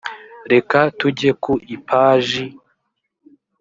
reka tujye ku ipaji